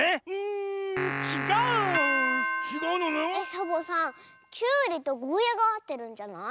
サボさんきゅうりとゴーヤーがあってるんじゃない？